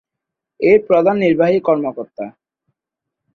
এর প্রধান নির্বাহী কর্মকর্তা।